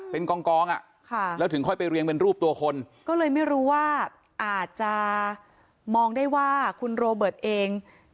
เป็นกองอ่ะค่ะแล้วถึงค่อยไปเรียงเป็นรูปตัวคนก็เลยไม่รู้ว่าอาจจะมองได้ว่าคุณโรเบิร์ตเอง